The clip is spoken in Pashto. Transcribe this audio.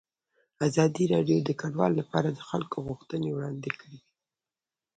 ازادي راډیو د کډوال لپاره د خلکو غوښتنې وړاندې کړي.